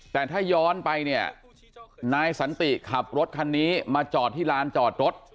แต่ถ้าย้อนไปเนี่ยนายสันติขับรถคันนี้มาจอดที่ลานจอดรถ